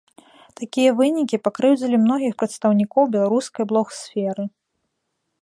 Такія вынікі пакрыўдзілі многіх прадстаўнікоў беларускай блог-сферы.